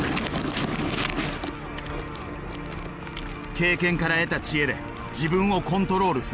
経験から得た知恵で自分をコントロールする。